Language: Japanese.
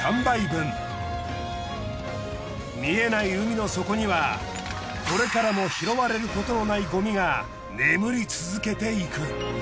見えない海の底にはこれからも拾われることのないごみが眠り続けていく。